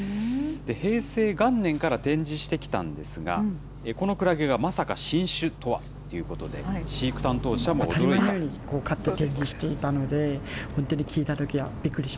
平成元年から展示してきたんですが、このクラゲがまさか新種とはということで、飼育担当者も驚いたということです。